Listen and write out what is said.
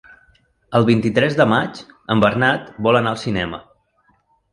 El vint-i-tres de maig en Bernat vol anar al cinema.